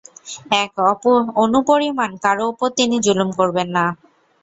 এক অণুপরিমাণ কারো উপর তিনি জুলুম করবেন না।